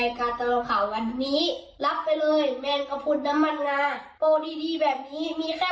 อย่าลืมมาอุดหนุนกันเยอะนะคะ